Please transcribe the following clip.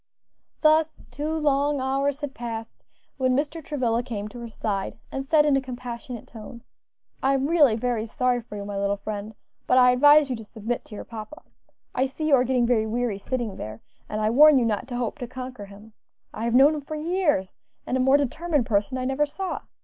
Thus two long hours had passed when Mr. Travilla came to her side, and said in a compassionate tone, "I am really very sorry for you, my little friend; but I advise you to submit to your papa. I see you are getting very weary sitting there, and I warn you not to hope to conquer him. I have known him for years, and a more determined person I never saw.